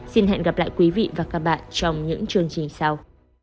xin hẹn gặp lại quý vị và các bạn trong những chương trình sau